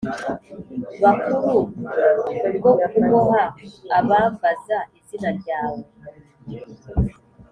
bakuru bwo kuboha abambaza izina ryawe